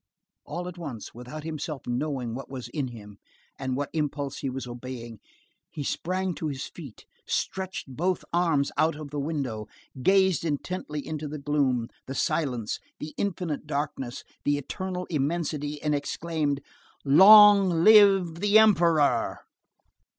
All at once, without himself knowing what was in him, and what impulse he was obeying, he sprang to his feet, stretched both arms out of the window, gazed intently into the gloom, the silence, the infinite darkness, the eternal immensity, and exclaimed: "Long live the Emperor!"